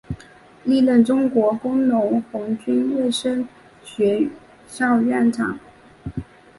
历任中国工农红军卫生学校校长。